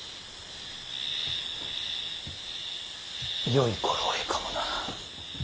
よい頃合いかもな。